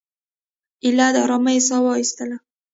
ایله د آرامۍ ساه وایستله.